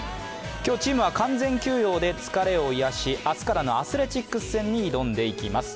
今日、チームは完全休養で疲れを癒やし明日からのアスレチックス戦に挑んでいきます。